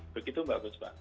begitu mbak gusma